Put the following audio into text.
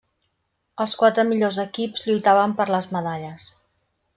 Els quatre millors equips lluitaven per les medalles.